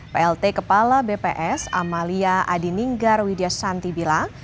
plt kepala bps amalia adininggar widya santi bilang